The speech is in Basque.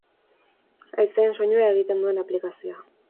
Haizeen soinua egiten duen aplikazioa.